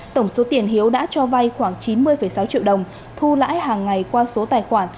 tổng số tiền hiếu đã cho vay khoảng chín mươi sáu triệu đồng thu lãi hàng ngày qua số tài khoản